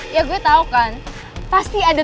kita denger karna kesana